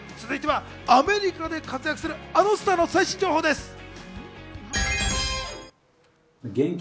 続いてはアメリカで活躍する、あのスターの最新情報です。